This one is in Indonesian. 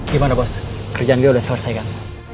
gimana bos kerjaan dia udah selesai kan